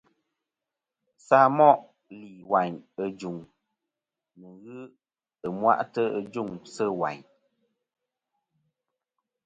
Samoʼ lìwàyn î jùŋ nɨ̀ ghɨ ɨmwaʼtɨ ɨ jûŋ sɨ̂ wàyn.